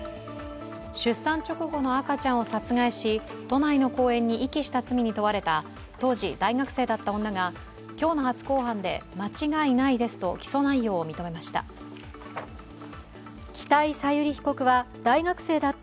出産直後の赤ちゃんを殺害し、都内の公園に遺棄した罪に問われた当時大学生だった女が今日の初公判で間違いないですと起訴内容を認めました。